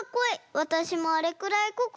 わたしもあれくらいこくしたいな。